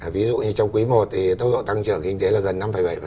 ví dụ như trong quý i thì tốc độ tăng trưởng kinh tế là gần năm bảy